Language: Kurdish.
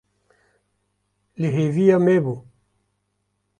Li hêviya me bû.